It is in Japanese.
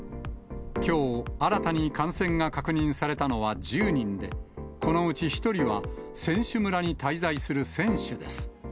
きょう、新たに感染が確認されたのは１０人で、このうち１人は選手村に滞在する選手です。